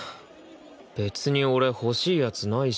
別に俺欲しいやつないし。